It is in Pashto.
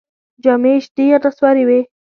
جامې یې شنې یا نسواري وې.